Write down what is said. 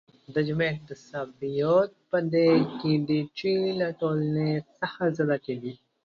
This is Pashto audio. د ژبې اکتسابيتوب په دې کې دی چې له ټولنې څخه زده کېږي.